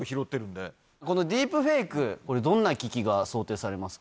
このディープフェイク、これ、どんな危機が想定されますか？